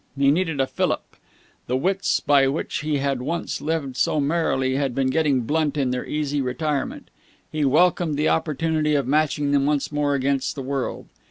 He needed a fillip. The wits by which he had once lived so merrily had been getting blunt in their easy retirement. He welcomed the opportunity of matching them once more against the world.